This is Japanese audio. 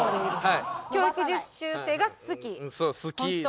はい。